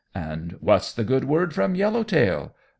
and "What's the good word from Yellow Tail?"